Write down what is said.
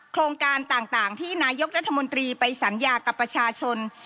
โครงการต่างที่นายกรัฐมนตรีไปสัญญากับประชาชน